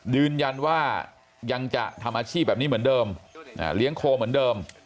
ยืนยันว่ายังจะทำอาชีพแบบนี้เหมือนเดิมเลี้ยงโคเหมือนเดิม